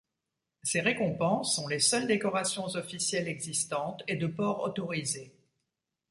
Ces récompenses sont les seules décorations officielles existantes et de port autorisé.